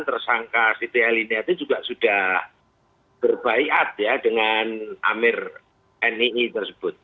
tersangka siti elinati juga sudah berbaikat ya dengan amir nii tersebut